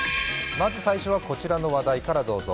まず最初は、こちらの話題からどうぞ。